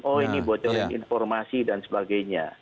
oh ini buat jaringan informasi dan sebagainya